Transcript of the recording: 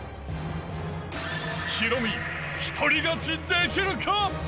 ヒロミ、一人勝ちできるか？